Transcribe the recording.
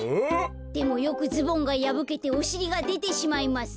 でもよくズボンがやぶけておしりがでてしまいます。